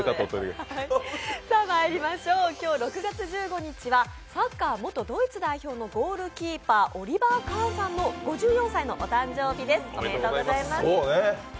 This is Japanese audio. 今日６月１５日はサッカー元ドイツ代表のゴールキーパー、オリバー・カーンさんの５４歳のお誕生日です、おめでとうございます。